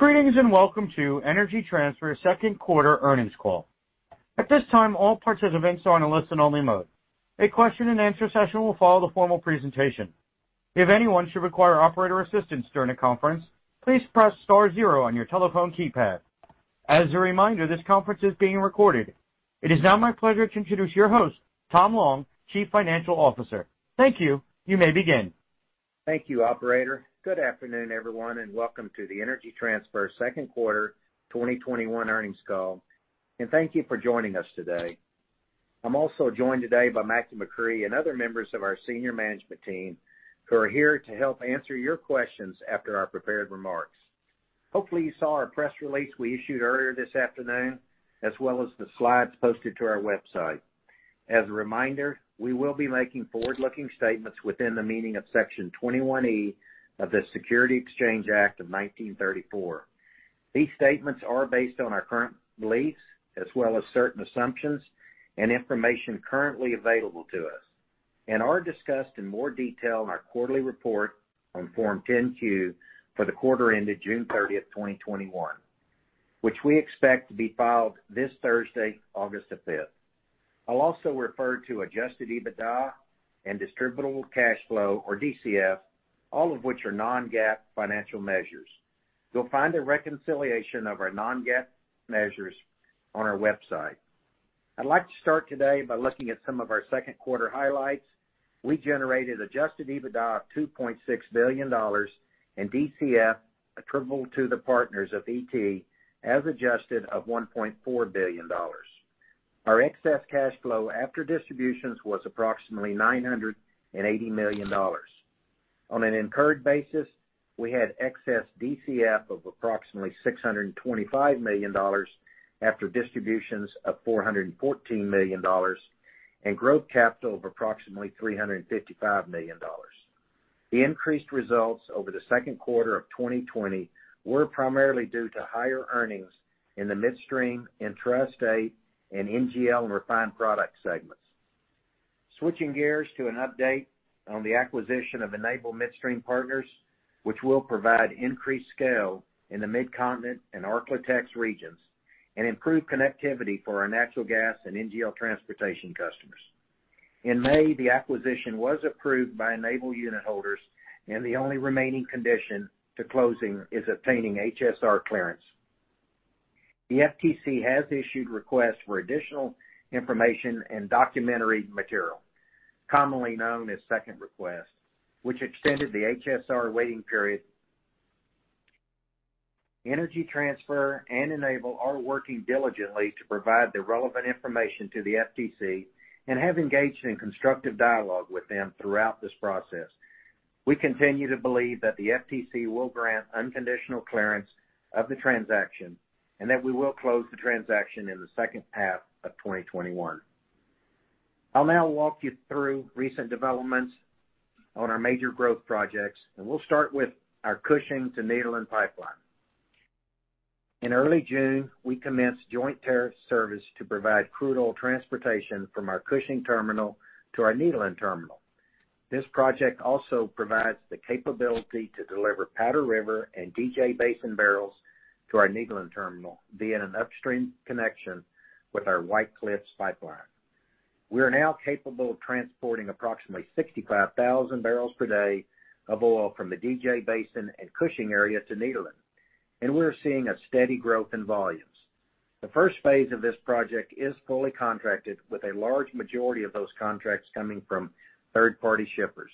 Greetings and welcome to Energy Transfer's Second Quarter Earnings Call. At this time, all participants are on a listen-only mode. A question and answer session will follow the formal presentation. If anyone should require operator assistance during the conference, please press star zero on your telephone keypad. As a reminder, this conference is being recorded. It is now my pleasure to introduce your host, Tom Long, Chief Financial Officer. Thank you. You may begin. Thank you, operator. Good afternoon, everyone, welcome to the Energy Transfer 2Q 2021 earnings call. Thank you for joining us today. I'm also joined today by Mackie McCrea and other members of our senior management team who are here to help answer your questions after our prepared remarks. Hopefully you saw our press release we issued earlier this afternoon, as well as the slides posted to our website. As a reminder, we will be making forward-looking statements within the meaning of Section 21E of the Securities Exchange Act of 1934. These statements are based on our current beliefs as well as certain assumptions and information currently available to us and are discussed in more detail in our quarterly report on Form 10-Q for the quarter ended June 30th, 2021, which we expect to be filed this Thursday, August 5th. I'll also refer to Adjusted EBITDA and distributable cash flow or DCF, all of which are non-GAAP financial measures. You'll find a reconciliation of our non-GAAP measures on our website. I'd like to start today by looking at some of our second quarter highlights. We generated Adjusted EBITDA of $2.6 billion and DCF attributable to the partners of ET as adjusted of $1.4 billion. Our excess cash flow after distributions was approximately $980 million. On an incurred basis, we had excess DCF of approximately $625 million after distributions of $414 million and growth capital of approximately $355 million. The increased results over the second quarter of 2020 were primarily due to higher earnings in the Midstream, Intrastate, and NGL and Refined Products Segments. Switching gears to an update on the acquisition of Enable Midstream Partners, which will provide increased scale in the Midcontinent and Ark-La-Tex regions and improve connectivity for our natural gas and NGL transportation customers. In May, the acquisition was approved by Enable unit holders, the only remaining condition to closing is obtaining HSR clearance. The FTC has issued requests for additional information and documentary material, commonly known as second request, which extended the HSR waiting period. Energy Transfer and Enable are working diligently to provide the relevant information to the FTC and have engaged in constructive dialogue with them throughout this process. We continue to believe that the FTC will grant unconditional clearance of the transaction that we will close the transaction in the second half of 2021. I'll now walk you through recent developments on our major growth projects, and we'll start with our Cushing to Nederland pipeline. In early June, we commenced joint tariff service to provide crude oil transportation from our Cushing terminal to our Nederland Terminal. This project also provides the capability to deliver Powder River and DJ Basin barrels to our Nederland Terminal via an upstream connection with our White Cliffs Pipeline. We are now capable of transporting approximately 65,000 barrels per day of oil from the DJ Basin and Cushing area to Nederland, and we're seeing a steady growth in volumes. The first phase of this project is fully contracted with a large majority of those contracts coming from third-party shippers.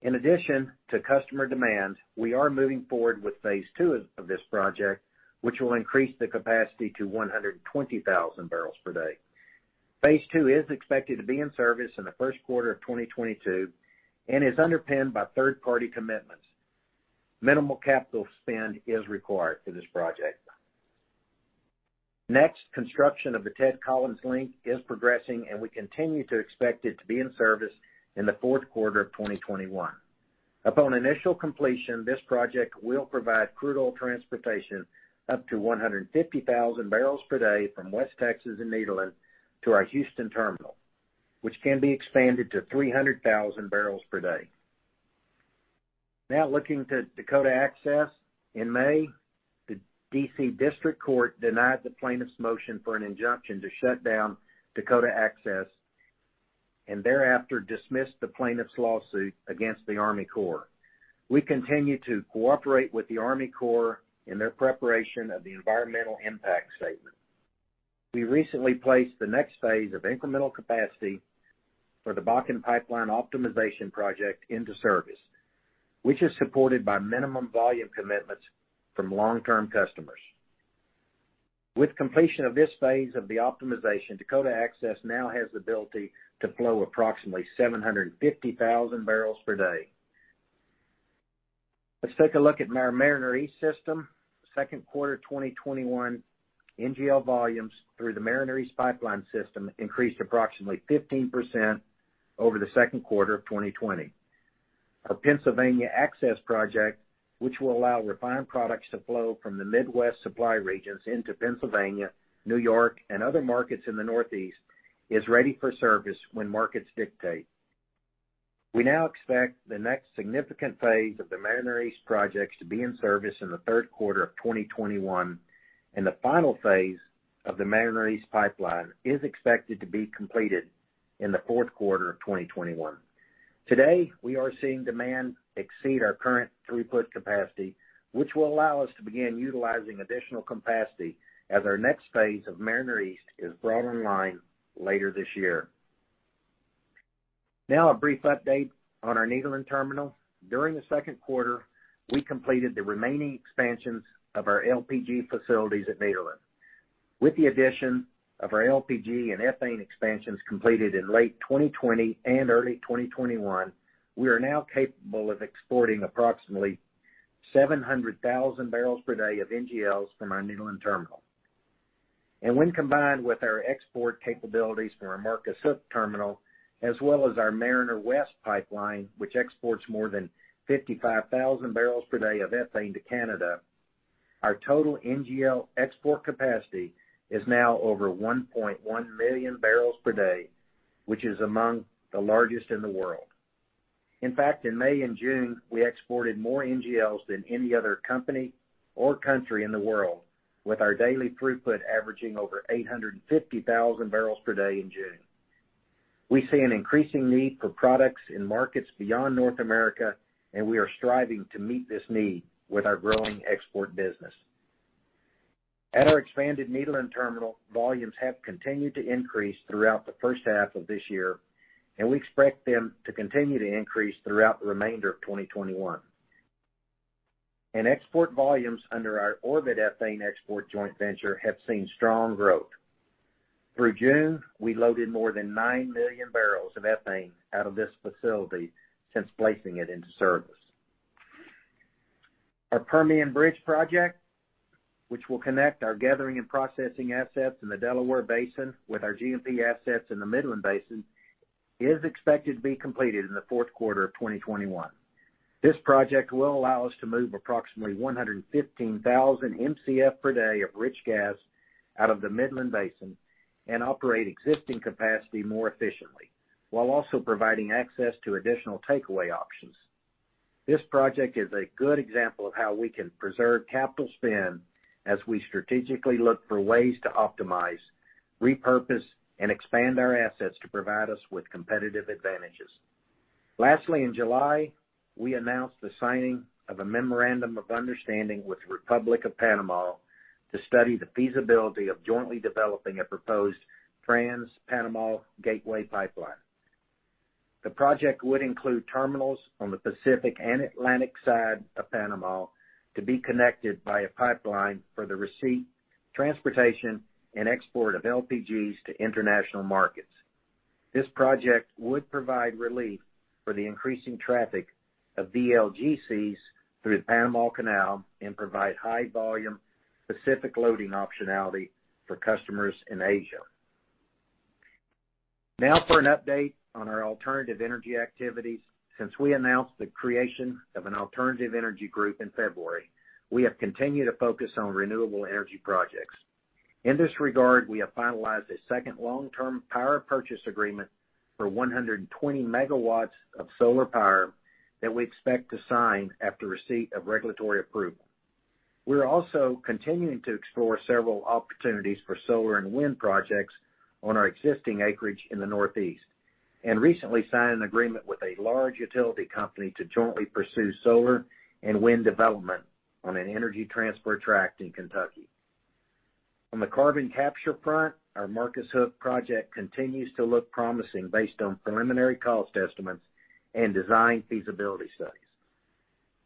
In addition to customer demand, we are moving forward with Phase II of this project, which will increase the capacity to 120,000 barrels per day. Phase II is expected to be in service in the first quarter of 2022 and is underpinned by third-party commitments. Minimal capital spend is required for this project. Next, construction of the Ted Collins Link is progressing, and we continue to expect it to be in service in the fourth quarter of 2021. Upon initial completion, this project will provide crude oil transportation up to 150,000 barrels per day from West Texas and Nederland to our Houston terminal, which can be expanded to 300,000 barrels per day. Now looking to Dakota Access. In May, the DC District Court denied the plaintiff's motion for an injunction to shut down Dakota Access and thereafter dismissed the plaintiff's lawsuit against the Army Corps. We continue to cooperate with the Army Corps in their preparation of the environmental impact statement. We recently placed the next phase of incremental capacity for the Bakken Pipeline Optimization Project into service, which is supported by minimum volume commitments from long-term customers. With completion of this phase of the optimization, Dakota Access now has the ability to flow approximately 750,000 barrels per day. Let's take a look at our Mariner East system. Second quarter 2021 NGL volumes through the Mariner East Pipeline System increased approximately 15% over the second quarter of 2020. Our Pennsylvania Access project, which will allow Refined Products to flow from the Midwest supply regions into Pennsylvania, New York, and other markets in the Northeast, is ready for service when markets dictate. We now expect the next significant phase of the Mariner East projects to be in service in the third quarter of 2021, and the final phase of the Mariner East pipeline is expected to be completed in the fourth quarter of 2021. Today, we are seeing demand exceed our current throughput capacity, which will allow us to begin utilizing additional capacity as our next phase of Mariner East is brought online later this year. Now a brief update on our Nederland Terminal. During the second quarter, we completed the remaining expansions of our LPG facilities at Nederland. With the addition of our LPG and ethane expansions completed in late 2020 and early 2021, we are now capable of exporting approximately 700,000 barrels per day of NGLs from our Nederland Terminal. When combined with our export capabilities from our Marcus Hook terminal, as well as our Mariner West Pipeline, which exports more than 55,000 barrels per day of ethane to Canada, our total NGL export capacity is now over 1.1 million barrels per day, which is among the largest in the world. In fact, in May and June, we exported more NGLs than any other company or country in the world, with our daily throughput averaging over 850,000 barrels per day in June. We see an increasing need for products in markets beyond North America, we are striving to meet this need with our growing export business. At our expanded Nederland Terminal, volumes have continued to increase throughout the first half of this year, and we expect them to continue to increase throughout the remainder of 2021. Export volumes under our Orbit Ethane Export joint venture have seen strong growth. Through June, we loaded more than nine million barrels of ethane out of this facility since placing it into service. Our Permian Bridge project, which will connect our gathering and processing assets in the Delaware Basin with our G&P assets in the Midland Basin, is expected to be completed in the fourth quarter of 2021. This project will allow us to move approximately 115,000 Mcf per day of rich gas out of the Midland Basin and operate existing capacity more efficiently while also providing access to additional takeaway options. This project is a good example of how we can preserve capital spend as we strategically look for ways to optimize, repurpose, and expand our assets to provide us with competitive advantages. Lastly, in July, we announced the signing of a memorandum of understanding with the Republic of Panama to study the feasibility of jointly developing a proposed Trans-Panama Gateway Pipeline. The project would include terminals on the Pacific and Atlantic side of Panama to be connected by a pipeline for the receipt, transportation, and export of LPGs to international markets. This project would provide relief for the increasing traffic of VLGCs through the Panama Canal and provide high-volume Pacific loading optionality for customers in Asia. Now for an update on our alternative energy activities. Since we announced the creation of an alternative energy group in February, we have continued to focus on renewable energy projects. In this regard, we have finalized a second long-term power purchase agreement for 120 MW of solar power that we expect to sign after receipt of regulatory approval. We're also continuing to explore several opportunities for solar and wind projects on our existing acreage in the Northeast, and recently signed an agreement with a large utility company to jointly pursue solar and wind development on an Energy Transfer tract in Kentucky. On the carbon capture front, our Marcus Hook project continues to look promising based on preliminary cost estimates and design feasibility studies.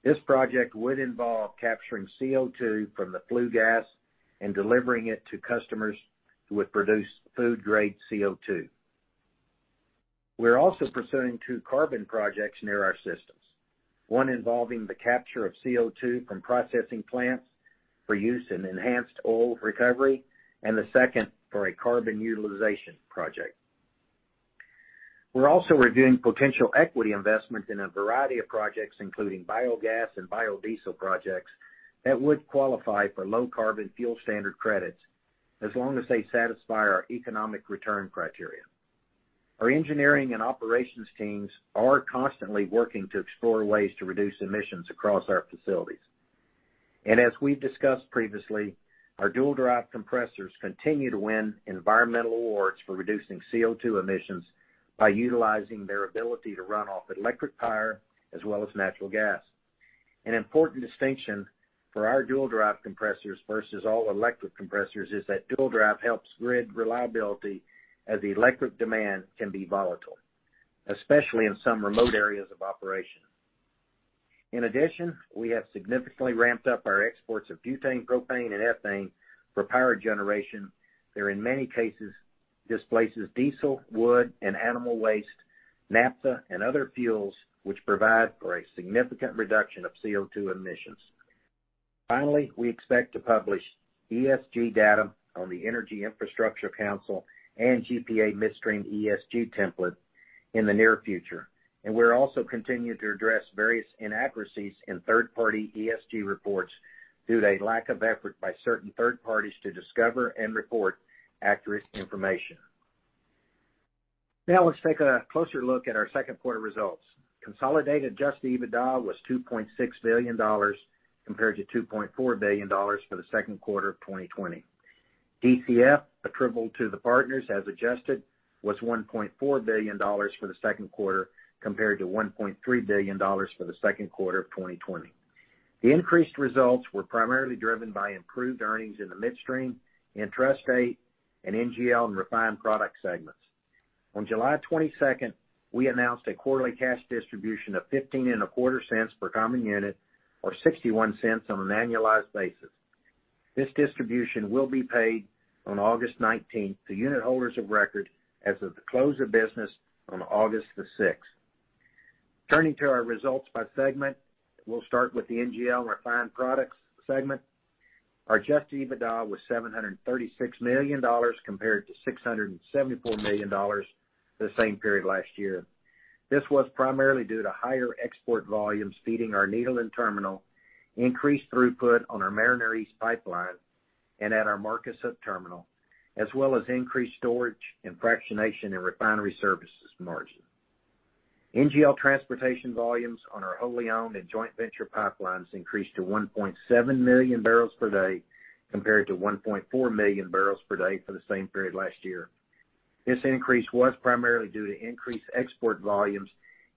This project would involve capturing CO2 from the flue gas and delivering it to customers who would produce food-grade CO2. We're also pursuing two carbon projects near our systems, one involving the capture of CO2 from processing plants for use in enhanced oil recovery, and the second for a carbon utilization project. We're also reviewing potential equity investment in a variety of projects, including biogas and biodiesel projects that would qualify for low-carbon fuel standard credits as long as they satisfy our economic return criteria. Our engineering and operations teams are constantly working to explore ways to reduce emissions across our facilities. As we've discussed previously, our dual-drive compressors continue to win environmental awards for reducing CO2 emissions by utilizing their ability to run off electric power as well as natural gas. An important distinction for our dual-drive compressors versus all-electric compressors is that dual-drive helps grid reliability as the electric demand can be volatile, especially in some remote areas of operation. In addition, we have significantly ramped up our exports of butane, propane, and ethane for power generation that in many cases displaces diesel, wood, and animal waste, naphtha, and other fuels which provide for a significant reduction of CO2 emissions. We expect to publish ESG data on the Energy Infrastructure Council and GPA Midstream ESG template in the near future. We're also continuing to address various inaccuracies in third-party ESG reports due to lack of effort by certain third parties to discover and report accurate information. Let's take a closer look at our second quarter results. Consolidated Adjusted EBITDA was $2.6 billion compared to $2.4 billion for the second quarter of 2020. DCF attributable to the partners as adjusted was $1.4 billion for the second quarter, compared to $1.3 billion for the second quarter of 2020. The increased results were primarily driven by improved earnings in the Midstream, intrastate, and NGL, and Refined Products segments. July 22nd, we announced a quarterly cash distribution of $0.1525 per common unit, or $0.61 on an annualized basis. This distribution will be paid on August 19 to unit holders of record as of the close of business on August 6. Turning to our results by segment, we'll start with the NGL and Refined Products segment. Our Adjusted EBITDA was $736 million compared to $674 million the same period last year. This was primarily due to higher export volumes feeding our Nederland Terminal, increased throughput on our Mariner East Pipeline, and at our Marcus Hook Terminal, as well as increased storage and fractionation in refinery services margin. NGL transportation volumes on our wholly owned and joint venture pipelines increased to 1.7 million barrels per day, compared to 1.4 million barrels per day for the same period last year. This increase was primarily due to increased export volumes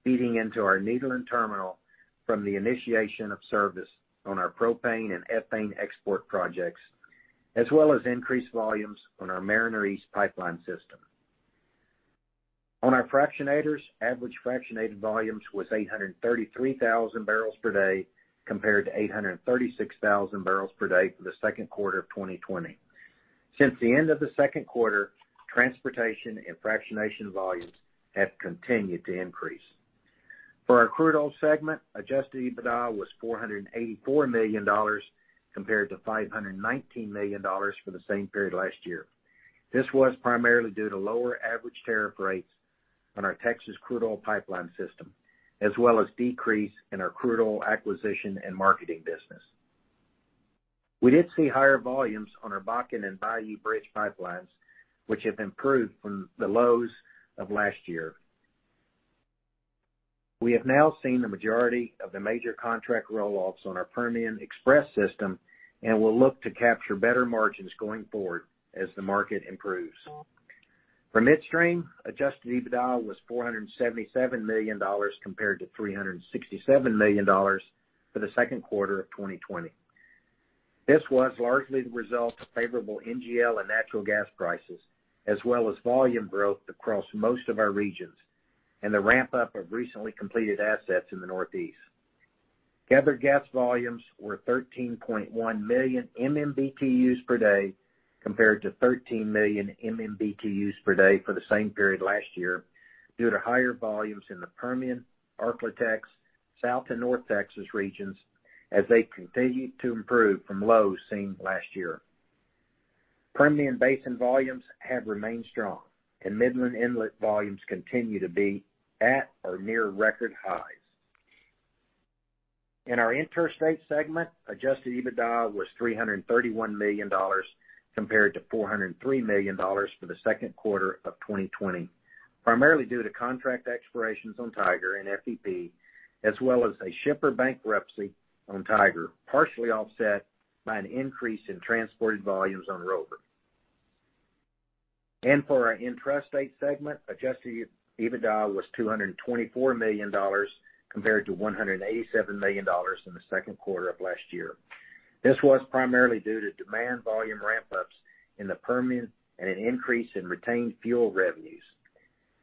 feeding into our Nederland Terminal from the initiation of service on our propane and ethane export projects, as well as increased volumes on our Mariner East Pipeline System. On our fractionators, average fractionated volumes was 833,000 barrels per day compared to 836,000 barrels per day for the second quarter of 2020. Since the end of the second quarter, transportation and fractionation volumes have continued to increase. For our Crude Oil segment, Adjusted EBITDA was $484 million compared to $519 million for the same period last year. This was primarily due to lower average tariff rates on our Texas crude oil pipeline system, as well as decrease in our crude oil acquisition and marketing business. We did see higher volumes on our Bakken and Bayou Bridge pipelines, which have improved from the lows of last year. We have now seen the majority of the major contract rolloffs on our Permian Express system and will look to capture better margins going forward as the market improves. For Midstream, Adjusted EBITDA was $477 million compared to $367 million for the second quarter of 2020. This was largely the result of favorable NGL and natural gas prices, as well as volume growth across most of our regions and the ramp-up of recently completed assets in the Northeast. Gathered gas volumes were 13.1 million MMBtus per day, compared to 13 million MMBtus per day for the same period last year due to higher volumes in the Permian, ArkLaTex, South and North Texas regions as they continued to improve from lows seen last year. Permian Basin volumes have remained strong, and Midland inlet volumes continue to be at or near record highs. In our Interstate Segment, Adjusted EBITDA was $331 million compared to $403 million for the second quarter of 2020, primarily due to contract expirations on Tiger and FEP, as well as a shipper bankruptcy on Tiger, partially offset by an increase in transported volumes on Rover. For our Intrastate Segment, Adjusted EBITDA was $224 million compared to $187 million in the second quarter of last year. This was primarily due to demand volume ramp-ups in the Permian and an increase in retained fuel revenues,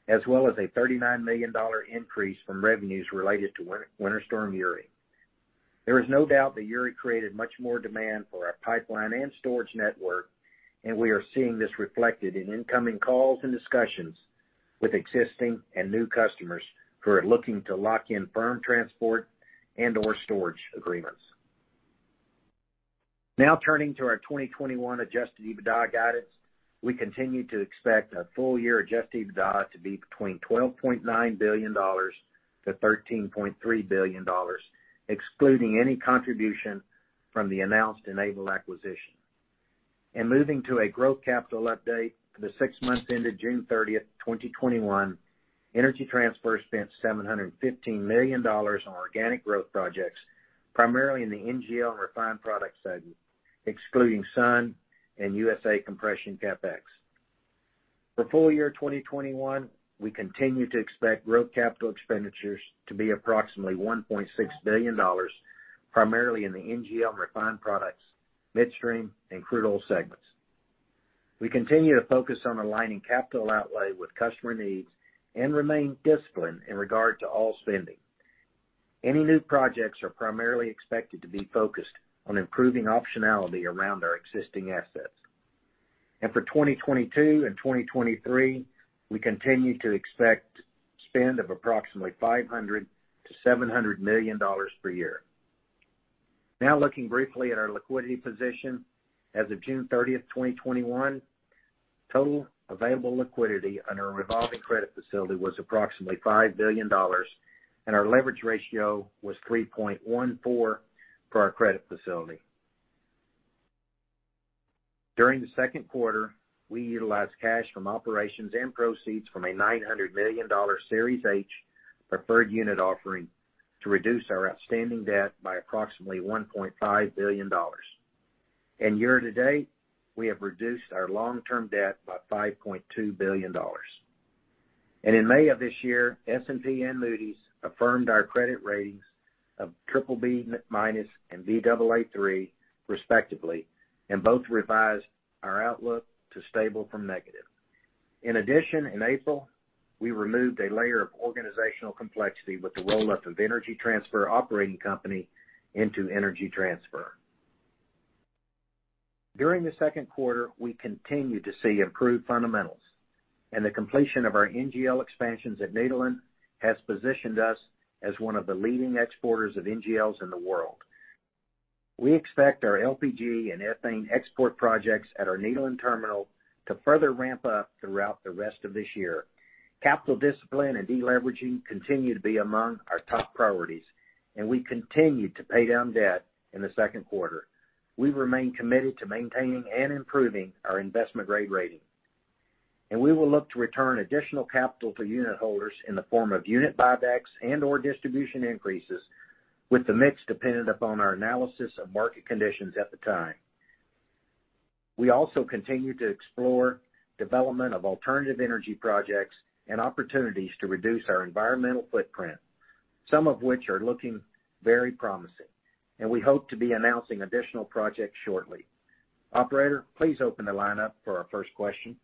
as well as a $39 million increase from revenues related to Winter Storm Uri. There is no doubt that Uri created much more demand for our pipeline and storage network, and we are seeing this reflected in incoming calls and discussions with existing and new customers who are looking to lock in firm transport and/or storage agreements. Now turning to our 2021 Adjusted EBITDA guidance. We continue to expect a full-year Adjusted EBITDA to be between $12.9 billion-$13.3 billion, excluding any contribution from the announced Enable acquisition. Moving to a growth capital update, for the six months ended June 30th, 2021, Energy Transfer spent $715 million on organic growth projects, primarily in the NGL and Refined Products segment, excluding Sun and USA Compression CapEx. For full-year 2021, we continue to expect growth capital expenditures to be approximately $1.6 billion, primarily in the NGL and Refined Products, Midstream, and Crude Oil segments. We continue to focus on aligning capital outlay with customer needs and remain disciplined in regard to all spending. Any new projects are primarily expected to be focused on improving optionality around our existing assets. For 2022 and 2023, we continue to expect spend of approximately $500 million-$700 million per year. Now looking briefly at our liquidity position. As of June 30th, 2021, total available liquidity on our revolving credit facility was approximately $5 billion, and our leverage ratio was 3.14x for our credit facility. During the second quarter, we utilized cash from operations and proceeds from a $900 million Series H preferred unit offering to reduce our outstanding debt by approximately $1.5 billion. Year to date, we have reduced our long-term debt by $5.2 billion. In May of this year, S&P and Moody's affirmed our credit ratings of BBB- and Baa3 respectively, and both revised our outlook to stable from negative. In addition, in April, we removed a layer of organizational complexity with the roll-up of Energy Transfer Operating Company into Energy Transfer. During the second quarter, we continued to see improved fundamentals. The completion of our NGL expansions at Nederland has positioned us as one of the leading exporters of NGLs in the world. We expect our LPG and ethane export projects at our Nederland Terminal to further ramp up throughout the rest of this year. Capital discipline and de-leveraging continue to be among our top priorities. We continued to pay down debt in the second quarter. We remain committed to maintaining and improving our investment-grade rating. We will look to return additional capital to unit holders in the form of unit buybacks and/or distribution increases, with the mix dependent upon our analysis of market conditions at the time. We also continue to explore development of alternative energy projects and opportunities to reduce our environmental footprint, some of which are looking very promising, and we hope to be announcing additional projects shortly. Operator, please open the line up for our first question.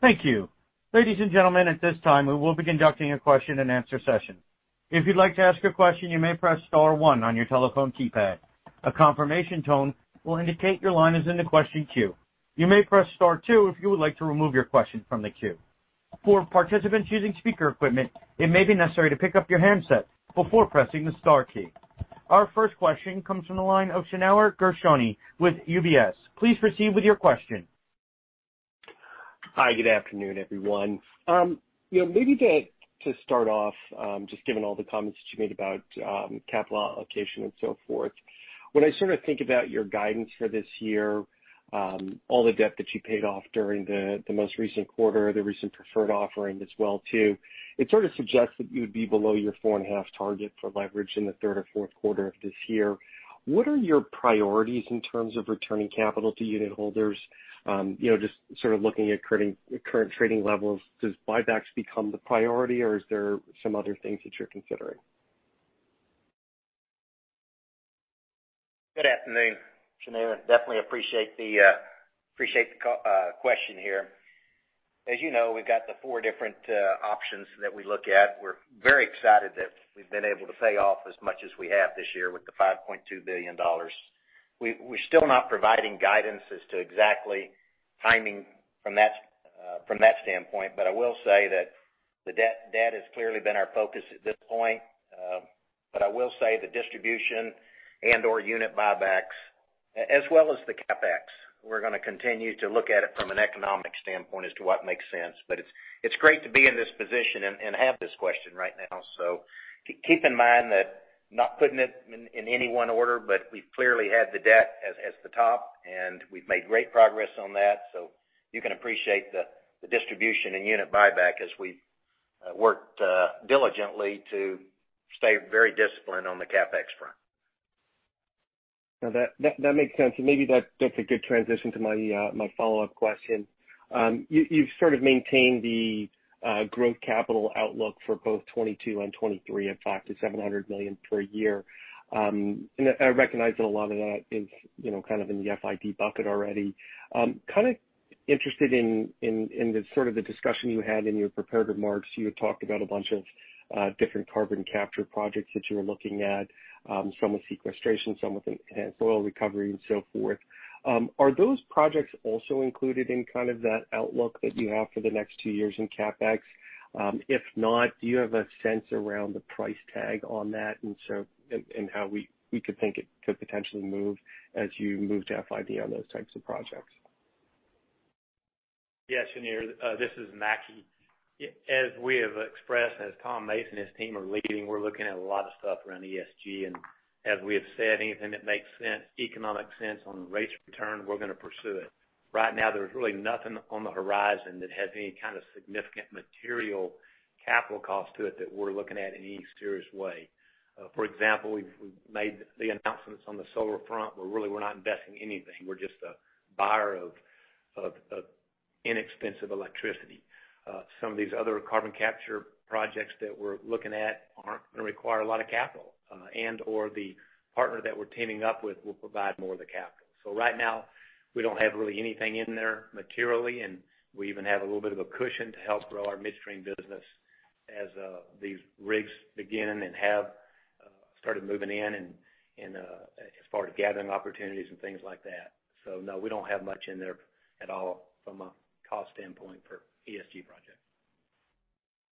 Thank you. Ladies and gentlemen, at this time, we will be conducting a question and answer session. If you'd like to ask a question, you may press star one on your telephone keypad. A confirmation tone will indicate your line is in the question queue. You may press star two if you would like to remove your question from the queue. For participants using speaker equipment, it may be necessary to pick up your handset before pressing the star key. Our first question comes from the line of Shneur Gershuni with UBS. Please proceed with your question. Hi, good afternoon, everyone. Maybe to start off, just given all the comments that you made about capital allocation and so forth. When I think about your guidance for this year, all the debt that you paid off during the most recent quarter, the recent preferred offering as well too, it sort of suggests that you would be below your 4.5x target for leverage in the third or fourth quarter of this year. What are your priorities in terms of returning capital to unit holders? Just looking at current trading levels, does buybacks become the priority, or is there some other things that you're considering? Good afternoon, Shneur Gershuni. Definitely appreciate the question here. As you know, we've got the four different options that we look at. We're very excited that we've been able to pay off as much as we have this year with the $5.2 billion. We're still not providing guidance as to exactly timing from that standpoint. I will say that the debt has clearly been our focus at this point. I will say the distribution and/or unit buybacks, as well as the CapEx, we're going to continue to look at it from an economic standpoint as to what makes sense. It's great to be in this position and have this question right now. Keep in mind that not putting it in any one order, but we've clearly had the debt as the top, and we've made great progress on that. So you can appreciate the distribution and unit buyback as we've worked diligently to stay very disciplined on the CapEx front. No, that makes sense. Maybe that's a good transition to my follow-up question. You've sort of maintained the growth capital outlook for both 2022 and 2023 of $500 million-$700 million per year. I recognize that a lot of that is kind of in the FID bucket already. Kind of interested in the sort of the discussion you had in your prepared remarks. You had talked about a bunch of different carbon capture projects that you were looking at. Some with sequestration, some with enhanced oil recovery and so forth. Are those projects also included in kind of that outlook that you have for the next two years in CapEx? If not, do you have a sense around the price tag on that and how we could think it could potentially move as you move to FID on those types of projects? Yes, Shneur. This is Mackie. As we have expressed, as Tom Mason and his team are leading, we're looking at a lot of stuff around ESG. As we have said, anything that makes sense, economic sense on rates of return, we're going to pursue it. Right now, there's really nothing on the horizon that has any kind of significant material capital cost to it that we're looking at in any serious way. For example, we've made the announcements on the solar front, where really we're not investing anything. We're just a buyer of inexpensive electricity. Some of these other carbon capture projects that we're looking at aren't going to require a lot of capital, and/or the partner that we're teaming up with will provide more of the capital. Right now, we don't have really anything in there materially, and we even have a little bit of a cushion to help grow our Midstream business as these rigs begin and have. Started moving in and as far as gathering opportunities and things like that. No, we don't have much in there at all from a cost standpoint for ESG project.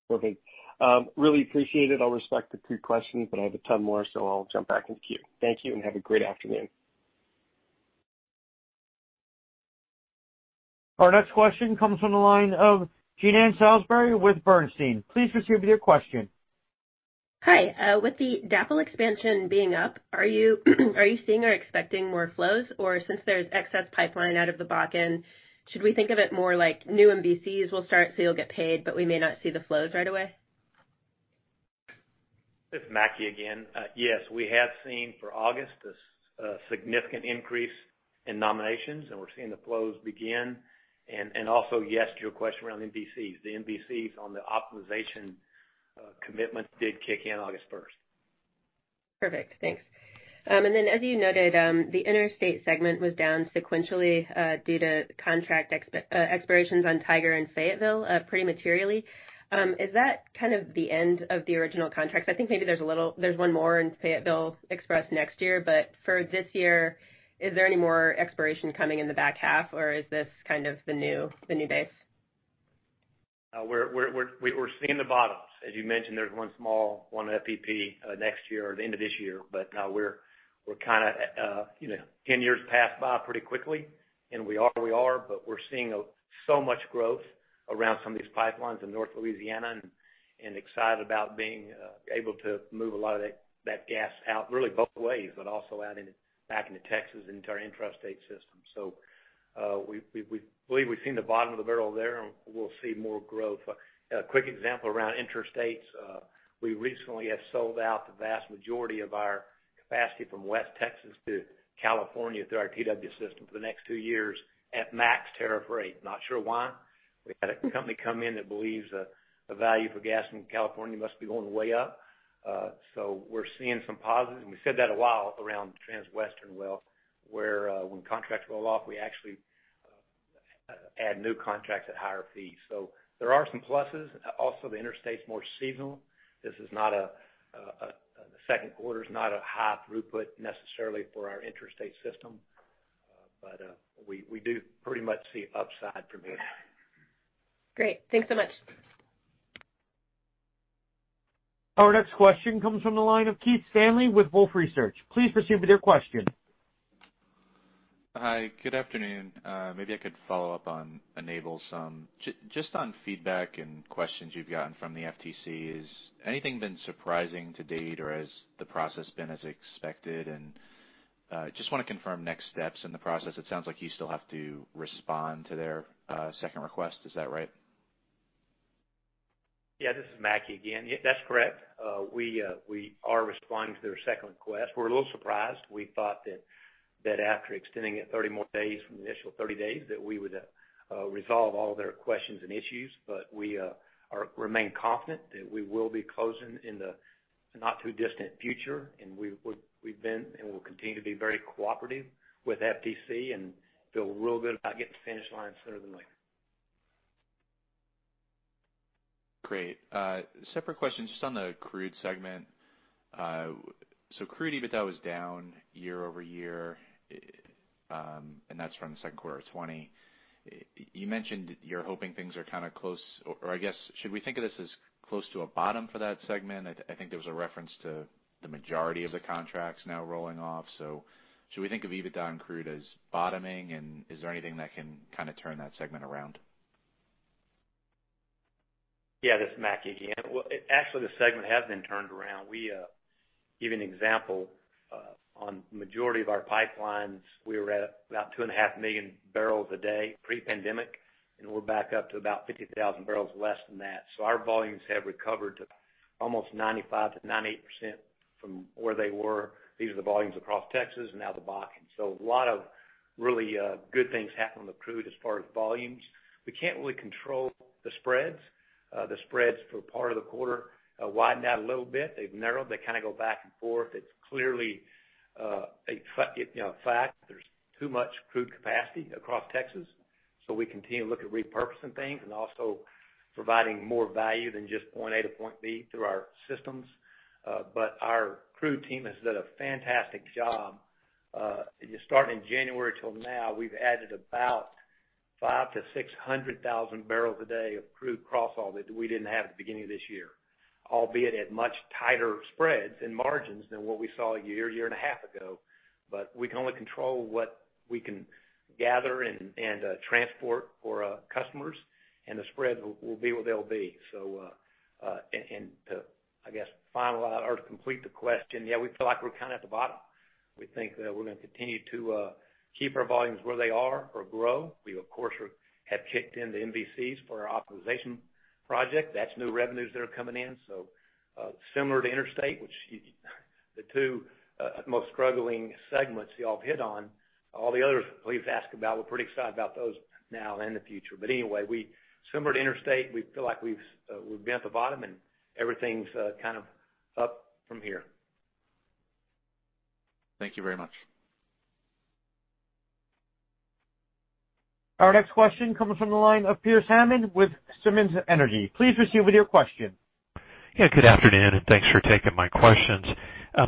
Perfect. Really appreciate it. I'll respect the two questions, but I have a ton more, so I'll jump back in the queue. Thank you, and have a great afternoon. Our next question comes from the line of Jean Ann Salisbury with Bernstein. Please proceed with your question. Hi. With the DAPL expansion being up, are you seeing or expecting more flows? Since there's excess pipeline out of the Bakken, should we think of it more like new MVCs will start, so you'll get paid, but we may not see the flows right away? This is Mackie again. Yes, we have seen for August a significant increase in nominations, and we're seeing the flows begin. Also, yes, to your question around MVCs. The MVCs on the optimization commitments did kick in August 1st. Perfect. Thanks. As you noted, the interstate segment was down sequentially due to contract expirations on Tiger and Fayetteville pretty materially. Is that kind of the end of the original contracts? I think maybe there's one more in Fayetteville Express next year. For this year, is there any more expiration coming in the back half, or is this kind of the new base? We're seeing the bottoms. As you mentioned, there's one small, one FEP next year or the end of this year. But now we are kinda, now 10 years passed by pretty quickly, and we are what we are, but we're seeing so much growth around some of these pipelines in North Louisiana, and excited about being able to move a lot of that gas out really both ways, but also out back into Texas into our intrastate system. We believe we've seen the bottom of the barrel there, and we'll see more growth. A quick example around interstates. We recently have sold out the vast majority of our capacity from West Texas to California through our TW system for the next two years at max tariff rate. Not sure why. We had a company come in that believes the value for gas in California must be going way up. We're seeing some positives, and we said that a while around Transwestern well, where when contracts roll off, we actually add new contracts at higher fees. There are some pluses. Also, the interstate's more seasonal. Second quarter's not a high throughput necessarily for our interstate system. We do pretty much see upside from here. Great. Thanks so much. Our next question comes from the line of Keith Stanley with Wolfe Research. Please proceed with your question. Hi. Good afternoon. Maybe I could follow up on Enable some. On feedback and questions you've gotten from the FTC, has anything been surprising to date, or has the process been as expected? Just want to confirm next steps in the process. It sounds like you still have to respond to their second request. Is that right? This is Mackie again. That's correct. We are responding to their second request. We're a little surprised. We thought that after extending it 30 more days from the initial 30 days, that we would resolve all their questions and issues. We remain confident that we will be closing in the not too distant future, and we've been and will continue to be very cooperative with FTC and feel real good about getting to the finish line sooner than later. Great. Separate question just on the crude segment. Crude EBITDA was down year-over-year, and that's from the second quarter of 2020. You mentioned you're hoping things are kind of close or should we think of this as close to a bottom for that segment? I think there was a reference to the majority of the contracts now rolling off. Should we think of EBITDA and crude as bottoming, and is there anything that can kind of turn that segment around? Yeah, this is Mackie again. Well, actually, the segment has been turned around. We give you an example, on majority of our pipelines, we were at about 2.5 million barrels a day pre-pandemic, and we're back up to about 50,000 barrels less than that. Our volumes have recovered to almost 95%-98% from where they were. These are the volumes across Texas and now the Bakken. A lot of really good things happening with crude as far as volumes. We can't really control the spreads. The spreads for part of the quarter widened out a little bit. They've narrowed. They kind of go back and forth. It's clearly a fact that there's too much crude capacity across Texas, so we continue to look at repurposing things and also providing more value than just point A to point B through our systems. Our crude team has done a fantastic job. Just starting January till now, we've added about 500,000-600,000 barrels a day of crude cross-haul that we didn't have at the beginning of this year, albeit at much tighter spreads and margins than what we saw a year and a half ago. We can only control what we can gather and transport for our customers, and the spreads will be what they'll be. To, I guess, final out or to complete the question, yeah, we feel like we're kind of at the bottom. We think that we're going to continue to keep our volumes where they are or grow. We, of course, have kicked in the MVCs for our optimization project. That's new revenues that are coming in. Similar to interstate, which the two most struggling segments you all hit on. All the others please ask about. We're pretty excited about those now and the future. Anyway, similar to interstate, we feel like we've been at the bottom and everything's kind of up from here. Thank you very much. Our next question coming from the line of Pearce Hammond with Simmons Energy. Please proceed with your question. Yeah, good afternoon. Thanks for taking my questions.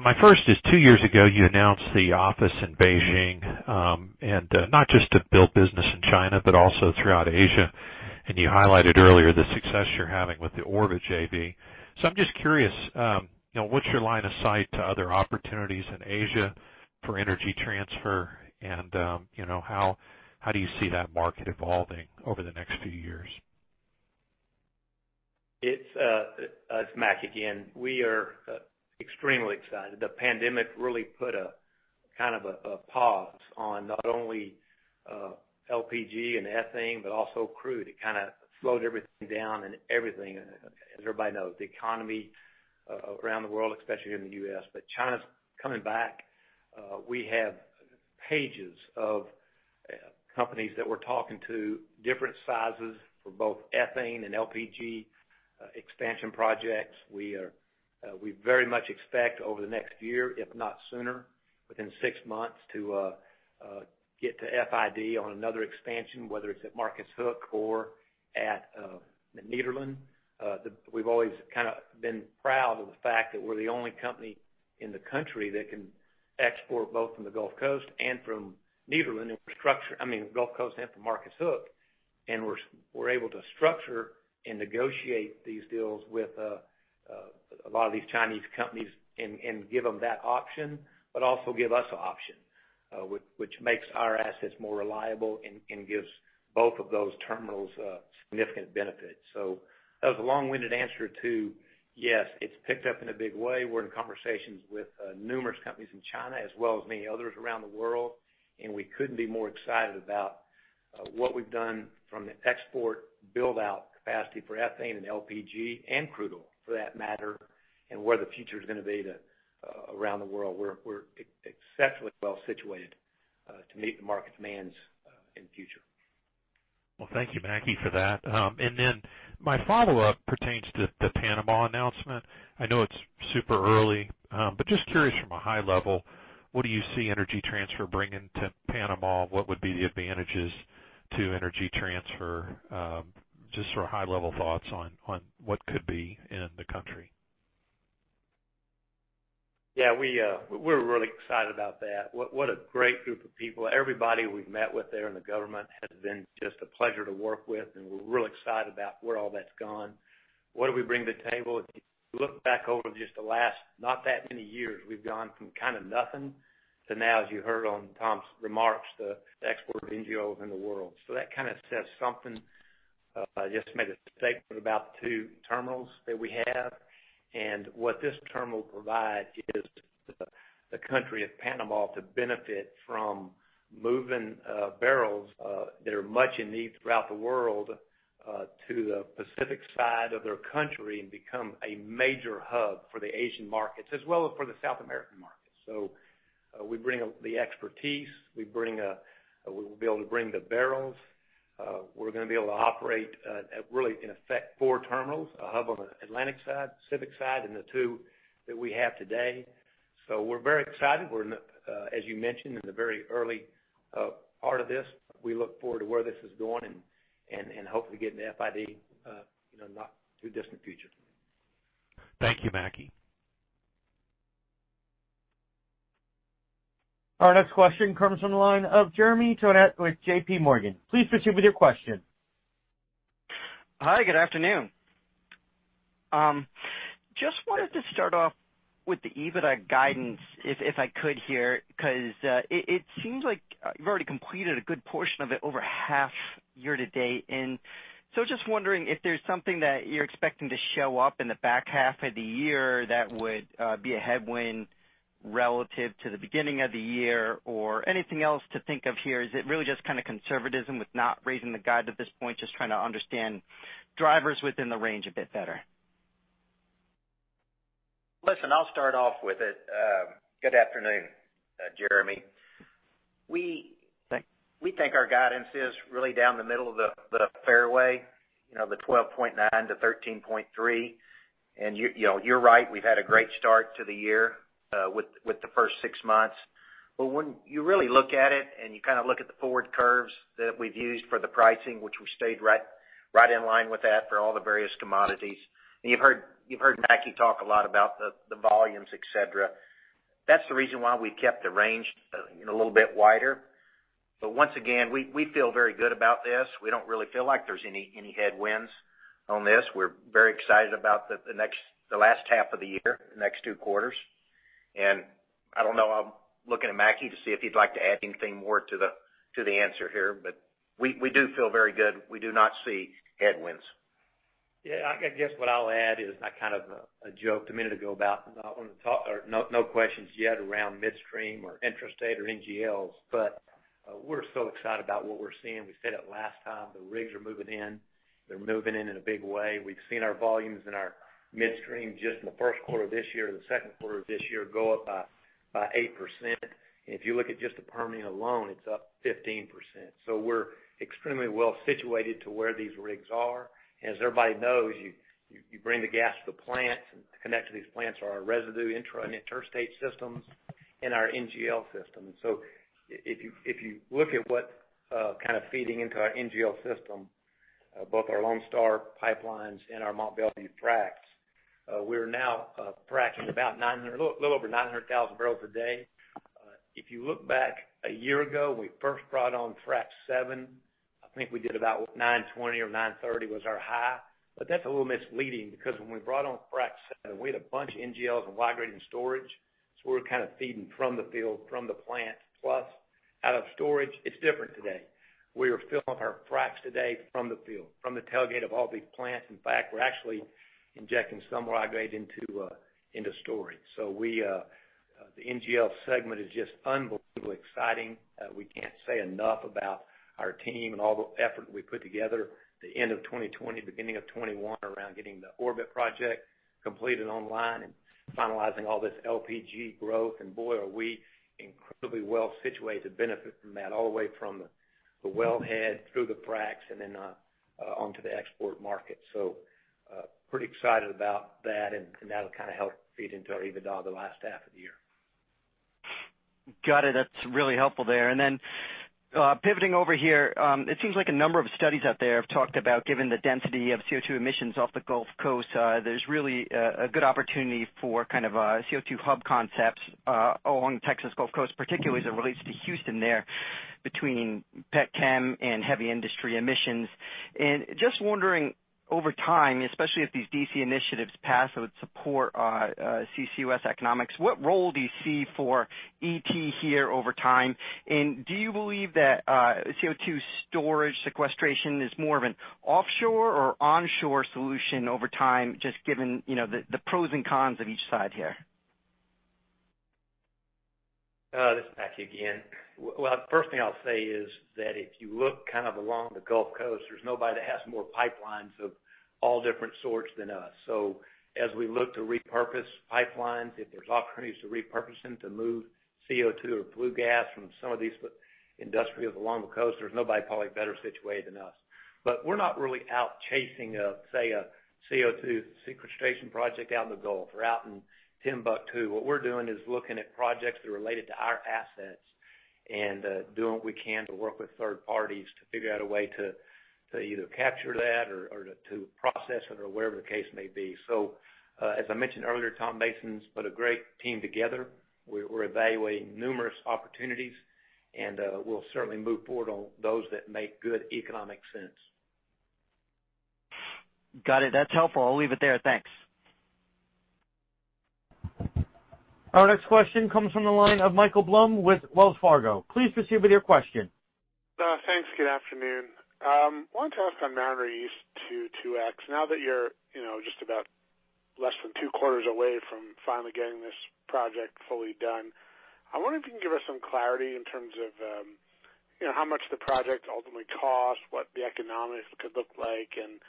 My first is, two years ago, you announced the office in Beijing, not just to build business in China, but also throughout Asia. You highlighted earlier the success you're having with the Orbit JV. I'm just curious, what's your line of sight to other opportunities in Asia for Energy Transfer and how do you see that market evolving over the next few years? It's Mackie again. We are extremely excited. The pandemic really put a pause on not only LPG and ethane, but also crude. It slowed everything down. Everything, as everybody knows, the economy around the world, especially here in the U.S. China's coming back. We have pages of companies that we're talking to, different sizes for both ethane and LPG expansion projects. We very much expect over the next year, if not sooner, within six months, to get to FID on another expansion, whether it's at Marcus Hook or at Nederland. We've always been proud of the fact that we're the only company in the country that can export both from the Gulf Coast and from Nederland, I mean, Gulf Coast and from Marcus Hook. We're able to structure and negotiate these deals with a lot of these Chinese companies and give them that option, but also give us a option which makes our assets more reliable and gives both of those terminals a significant benefit. That was a long-winded answer to: yes, it's picked up in a big way. We're in conversations with numerous companies in China as well as many others around the world. We couldn't be more excited about what we've done from the export build-out capacity for ethane and LPG, and crude oil for that matter, and where the future is going to be around the world. We're exceptionally well situated to meet the market demands in the future. Well, thank you, Mackie, for that. My follow-up pertains to the Panama announcement. I know it's super early. Just curious from a high level, what do you see Energy Transfer bringing to Panama? What would be the advantages to Energy Transfer? Just sort of high-level thoughts on what could be in the country. Yeah, we're really excited about that. What a great group of people. Everybody we've met with there in the government has been just a pleasure to work with, and we're really excited about where all that's gone. What do we bring to the table? If you look back over just the last, not that many years, we've gone from kind of nothing to now, as you heard on Tom's remarks, the exporter of NGL within the world. That kind of says something. I just made a statement about the two terminals that we have, and what this terminal provides is the country of Panama to benefit from moving barrels that are much in need throughout the world to the Pacific side of their country and become a major hub for the Asian markets as well as for the South American markets. We bring the expertise. We will be able to bring the barrels. We're going to be able to operate, really, in effect, four terminals, a hub on the Atlantic side, Pacific side, and the two that we have today. We're very excited. We're, as you mentioned, in the very early part of this. We look forward to where this is going and hopefully getting to FID in the not-too-distant future. Thank you, Mackie. Our next question comes from the line of Jeremy Tonet with JPMorgan. Please proceed with your question. Hi, good afternoon. Just wanted to start off with the EBITDA guidance, if I could here, because it seems like you've already completed a good portion of it over half year to date. Just wondering if there's something that you're expecting to show up in the back half of the year that would be a headwind relative to the beginning of the year or anything else to think of here? Is it really just kind of conservatism with not raising the guide at this point? Just trying to understand drivers within the range a bit better. Listen, I'll start off with it. Good afternoon, Jeremy. We think our guidance is really down the middle of the fairway, the $12.9 billion-$13.3 billion. You're right, we've had a great start to the year with the first six months. When you really look at it and you kind of look at the forward curves that we've used for the pricing, which we've stayed right in line with that for all the various commodities, and you've heard Mackie talk a lot about the volumes, et cetera. That's the reason why we kept the range a little bit wider. Once again, we feel very good about this. We don't really feel like there's any headwinds on this. We're very excited about the last half of the year, the next two quarters. I don't know, I'm looking at Mackie to see if he'd like to add anything more to the answer here, but we do feel very good. We do not see headwinds. I guess what I'll add is I kind of joked a minute ago about no questions yet around Midstream or Intrastate or NGLs, we're so excited about what we're seeing. We said it last time. The rigs are moving in. They're moving in in a big way. We've seen our volumes in our Midstream just in the first quarter of this year, the second quarter of this year, go up by 8%. If you look at just the Permian alone, it's up 15%. We're extremely well situated to where these rigs are. As everybody knows, you bring the gas to the plants, to connect to these plants are our residue intra and interstate systems in our NGL system. If you look at what's kind of feeding into our NGL system, both our Lone Star pipelines and our Mont Belvieu fracs, we're now fracking a little over 900,000 barrels a day. If you look back a year ago, when we first brought on Frac Seven, I think we did about 920,000 or 930,000 was our high. That's a little misleading, because when we brought on Frac Seven, we had a bunch of NGLs and Y-grade in storage. We were kind of feeding from the field, from the plant, plus out of storage. It's different today. We are filling our fracs today from the field, from the tailgate of all these plants. In fact, we're actually injecting some Y-grade into storage. The NGL segment is just unbelievably exciting. We can't say enough about our team and all the effort we put together the end of 2020, beginning of 2021 around getting the Orbit project completed online and finalizing all this LPG growth. Boy, are we incredibly well situated to benefit from that all the way from the wellhead through the fracs, and then onto the export market. Pretty excited about that, and that'll kind of help feed into our EBITDA the last half of the year. Got it. That's really helpful there. Then, pivoting over here, it seems like a number of studies out there have talked about, given the density of CO2 emissions off the Gulf Coast, there's really a good opportunity for kind of CO2 hub concepts along the Texas Gulf Coast, particularly as it relates to Houston there, between petchem and heavy industry emissions. Just wondering, over time, especially if these DC initiatives pass that would support CCUS economics, what role do you see for ET here over time? Do you believe that CO2 storage sequestration is more of an offshore or onshore solution over time, just given the pros and cons of each side here? This is Mackie again. Well, first thing I'll say is that if you look kind of along the Gulf Coast, there's nobody that has more pipelines of all different sorts than us. As we look to repurpose pipelines, if there's opportunities to repurpose them to move CO2 or flue gas from some of these industrials along the coast, there's nobody probably better situated than us. We're not really out chasing, say, a CO2 sequestration project out in the Gulf or out in Timbuktu. What we're doing is looking at projects that are related to our assets, and doing what we can to work with third parties to figure out a way to either capture that or to process it or whatever the case may be. As I mentioned earlier, Tom Mason's put a great team together. We're evaluating numerous opportunities, and we'll certainly move forward on those that make good economic sense. Got it. That's helpful. I'll leave it there. Thanks. Our next question comes from the line of Michael Blum with Wells Fargo. Please proceed with your question. Thanks. Good afternoon. I wanted to ask on Mariner East 2, 2X. Now that you're just about less than two quarters away from finally getting this project fully done, I wonder if you can give us some clarity in terms of how much the project ultimately costs, what the economics could look like, and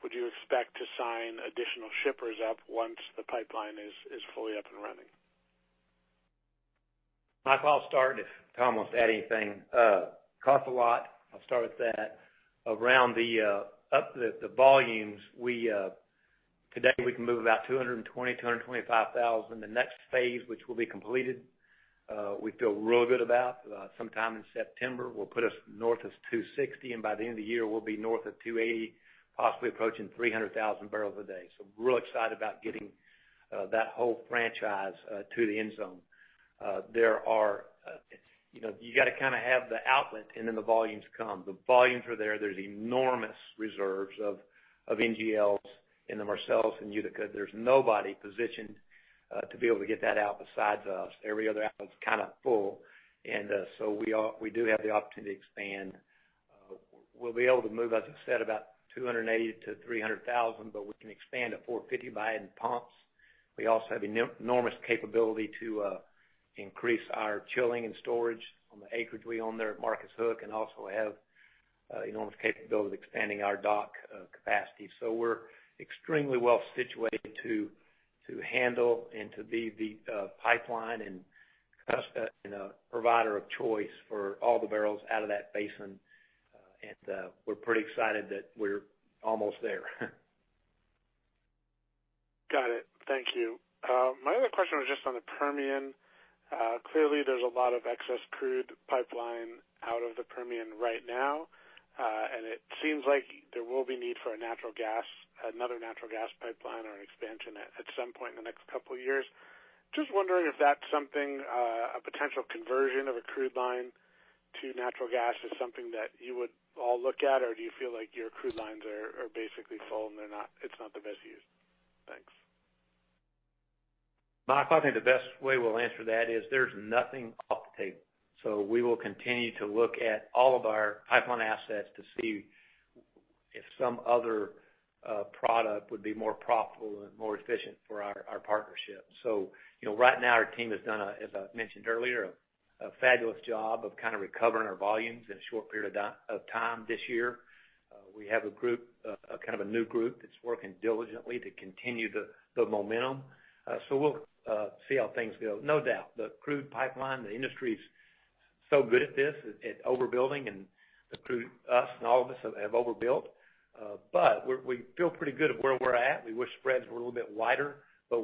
would you expect to sign additional shippers up once the pipeline is fully up and running? Mike, I'll start if Tom wants to add anything. Costs a lot. I'll start with that. Around the volumes, today we can move about 220,000-225,000. The next phase, which will be completed, we feel real good about, sometime in September, will put us north of 260,000, and by the end of the year, we'll be north of 280,000, possibly approaching 300,000 barrels a day. We're real excited about getting that whole franchise to the end zone. You've got to kind of have the outlet, and then the volumes come. The volumes are there. There's enormous reserves of NGLs in the Marcellus and Utica. There's nobody positioned to be able to get that out besides us. Every other outlet's kind of full. We do have the opportunity to expand. We'll be able to move, as I said, about 280,000 to 300,000, but we can expand to 450,000 by adding pumps. We also have enormous capability to increase our chilling and storage on the acreage we own there at Marcus Hook, and also have enormous capability to expanding our dock capacity. We're extremely well situated to handle and to be the pipeline and provider of choice for all the barrels out of that basin. We're pretty excited that we're almost there. Got it. Thank you. My other question was just on the Permian. Clearly, there's a lot of excess crude pipeline out of the Permian right now. It seems like there will be need for another natural gas pipeline or an expansion at some point in the next couple of years. Just wondering if that's something, a potential conversion of a crude line to natural gas is something that you would all look at, or do you feel like your crude lines are basically full and it's not the best use? Thanks. Michael, I think the best way we'll answer that is there's nothing off the table. We will continue to look at all of our pipeline assets to see if some other product would be more profitable and more efficient for our partnership. Right now, our team has done a, as I mentioned earlier, fabulous job of kind of recovering our volumes in a short period of time this year. We have a kind of a new group that's working diligently to continue the momentum. We'll see how things go. No doubt, the crude pipeline, the industry's so good at this at overbuilding, and us, and all of us have overbuilt. We feel pretty good at where we're at. We wish spreads were a little bit wider,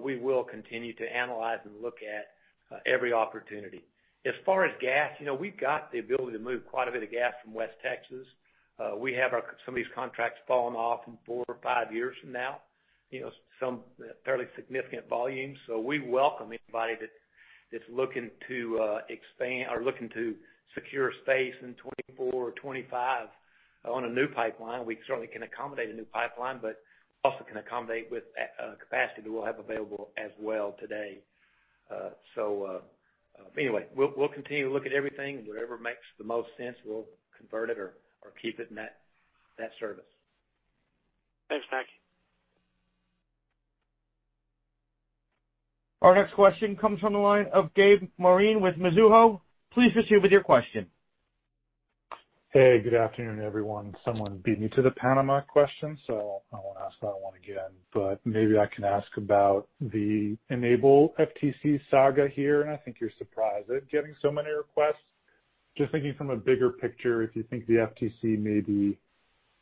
we will continue to analyze and look at every opportunity. As far as gas, we've got the ability to move quite a bit of gas from West Texas. We have some of these contracts falling off in four or five years from now, some fairly significant volumes. We welcome anybody that's looking to secure space in 2024 or 2025 on a new pipeline. We certainly can accommodate a new pipeline, but also can accommodate with capacity that we'll have available as well today. Anyway, we'll continue to look at everything. Whatever makes the most sense, we'll convert it or keep it in that service. Thanks, Mackie. Our next question comes from the line of Gabe Moreen with Mizuho. Please proceed with your question. Hey, good afternoon, everyone. Someone beat me to the Panama question, so I won't ask that one again. Maybe I can ask about the Enable FTC saga here, and I think you're surprised at getting so many requests. Just thinking from a bigger picture, if you think the FTC may be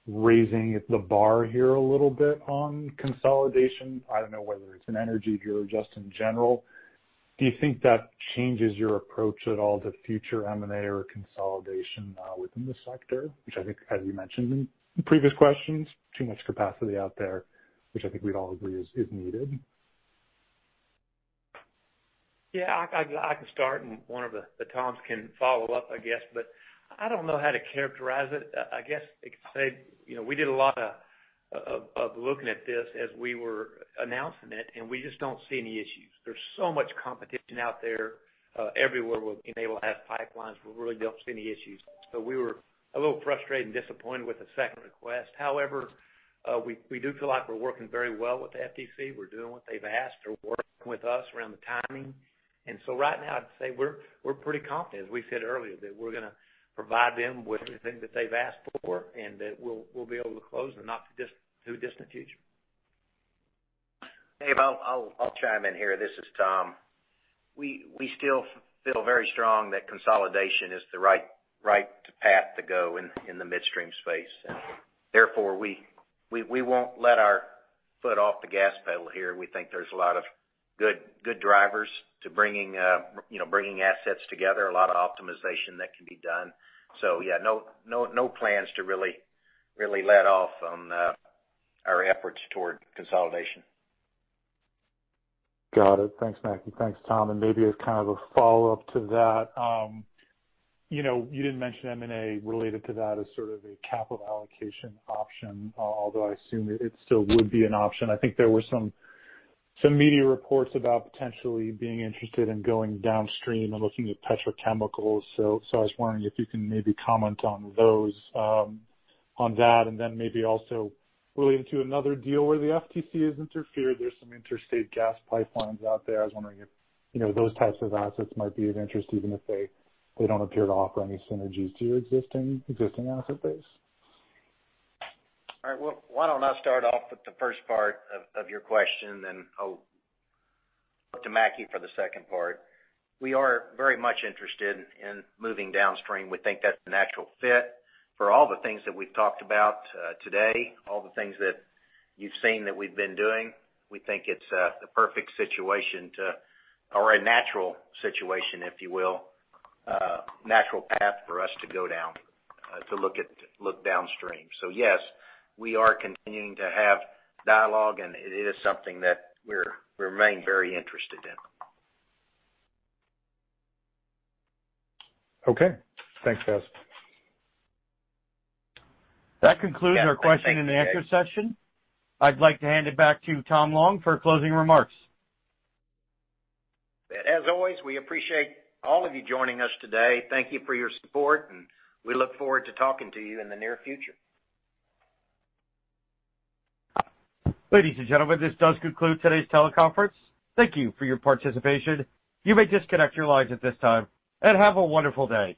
raising the bar here a little bit on consolidation, I don't know whether it's in energy or just in general. Do you think that changes your approach at all to future M&A or consolidation within the sector, which I think, as you mentioned in previous questions, too much capacity out there, which I think we'd all agree is needed? Yeah, I can start, and one of the Toms can follow up, I guess. I don't know how to characterize it. I guess I could say, we did a lot of looking at this as we were announcing it, and we just don't see any issues. There's so much competition out there. Everywhere Enable has pipelines, we really don't see any issues. We were a little frustrated and disappointed with the second request. However, we do feel like we're working very well with the FTC. We're doing what they've asked. They're working with us around the timing. Right now, I'd say we're pretty confident, as we said earlier, that we're going to provide them with everything that they've asked for, and that we'll be able to close in the not too distant future. Gabe, I'll chime in here. This is Tom. We still feel very strong that consolidation is the right path to go in the Midstream space. Therefore, we won't let our foot off the gas pedal here. We think there's a lot of good drivers to bringing assets together, a lot of optimization that can be done. Yeah, no plans to really let off on our efforts toward consolidation. Got it. Thanks, Mackie. Thanks, Tom. Maybe as kind of a follow-up to that. You didn't mention M&A related to that as sort of a capital allocation option, although I assume it still would be an option. I think there were some media reports about potentially being interested in going downstream and looking at petrochemicals. I was wondering if you can maybe comment on that, and then maybe also relating to another deal where the FTC has interfered, there's some interstate gas pipelines out there. I was wondering if those types of assets might be of interest, even if they don't appear to offer any synergies to your existing asset base. All right. Well, why don't I start off with the first part of your question, then I'll go to Mackie for the second part. We are very much interested in moving downstream. We think that's a natural fit for all the things that we've talked about today, all the things that you've seen that we've been doing. We think it's the perfect situation or a natural situation, if you will, natural path for us to go down to look downstream. Yes, we are continuing to have dialogue, and it is something that we remain very interested in. Okay. Thanks, guys. That concludes our question and answer session. I'd like to hand it back to Tom Long for closing remarks. As always, we appreciate all of you joining us today. Thank you for your support, and we look forward to talking to you in the near future. Ladies and gentlemen, this does conclude today's teleconference. Thank you for your participation. You may disconnect your lines at this time, and have a wonderful day.